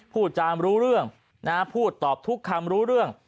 พูดจามรู้เรื่องพูดตอบทุกคำรู้เรื่อง